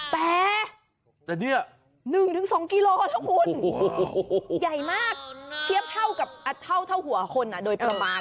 แต่เนี่ย๑๒กิโลเท่าคุณใหญ่มากเทียบเท่ากับเท่าหัวคนโดยประมาณ